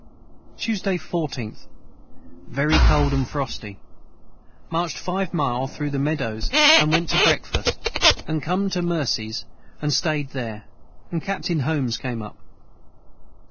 Tuesday 14th. Very cold & frosty marched 5 mile through the Meadows & went to Brecfast and com to Mercies and stayed their & capt.n Holmes came up.